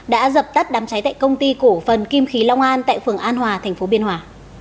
đã dập tắt đám cháy tại công ty cổ phần kim khí long an tại phường an hòa thành phố biên hòa